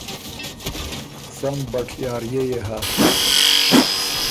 سم بټیارئے يې هۀ